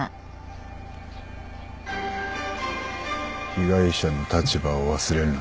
被害者の立場を忘れるな。